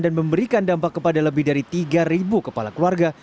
dan memberikan dampak kepada lebih dari tiga kepala keluarga